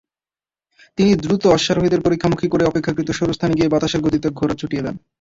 তিনি দ্রুত অশ্বারোহীদের পরিখামুখী করে অপেক্ষাকৃত সরু স্থানে গিয়ে বাতাসের গতিতে ঘোড়া ছুটিয়ে দেন।